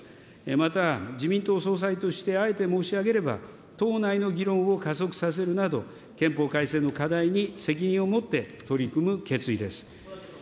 また、自民党総裁としてあえて申し上げれば、党内の議論を加速させるなど、憲法改正の課題に責任を持って取り組む決意です。